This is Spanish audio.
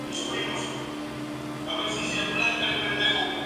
Todos los filmes fueron producidos por los estudios Lookout Mountain.